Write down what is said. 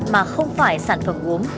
mà không phải sản phẩm gốm